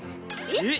えっ？